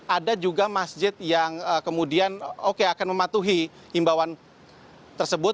ada juga masjid yang kemudian oke akan mematuhi imbauan tersebut